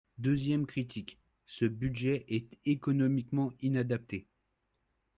Deuxième critique, ce budget est économiquement inadapté.